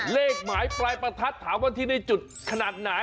เลขหมายปลายประทัดถามว่าที่ได้จุดขนาดไหน